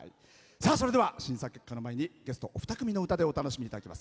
それでは、審査結果の前にゲストお二組の歌でお楽しみいただきます。